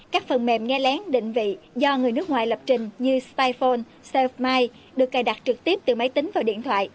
các phần mềm nghe lén định vị do người nước ngoài lập trình như spyphone self mind được cài đặt trực tiếp từ máy tính vào điện thoại